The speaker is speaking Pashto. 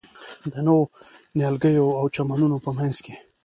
د نویو نیالګیو او چمنونو په منځ کې.